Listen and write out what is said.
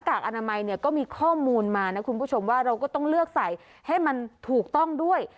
กอนามัยเนี่ยก็มีข้อมูลมานะคุณผู้ชมว่าเราก็ต้องเลือกใส่ให้มันถูกต้องด้วย